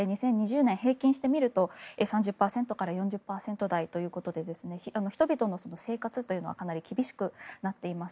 年平均して見ると３０％から４０％台ということで人々の生活というのはかなり厳しくなっています。